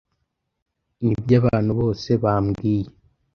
Nibyo abantu bose bambwiye.